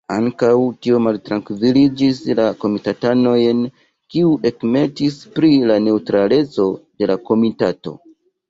Ankaŭ tio maltrankviligis la komitatanojn, kiuj ektimis pri la neŭtraleco de la komitato.